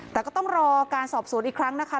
แต่ก็ต้องรอการสอบสวนอีกครั้งนะคะ